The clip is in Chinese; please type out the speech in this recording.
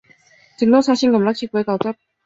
测量技术是关键和基础。